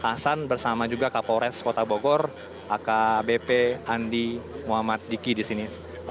hasan bersama juga kapolres kota bogor akbp andi muhammad diki di sini